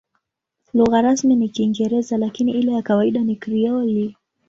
Lugha rasmi ni Kiingereza, lakini ile ya kawaida ni Krioli.